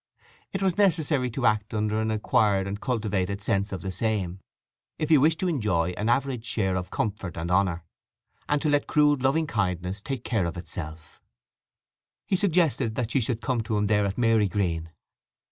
It was necessary to act under an acquired and cultivated sense of the same, if you wished to enjoy an average share of comfort and honour; and to let crude loving kindness take care of itself. He suggested that she should come to him there at Marygreen.